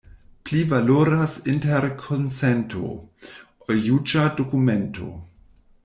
Pli valoras interkonsento, ol juĝa dokumento.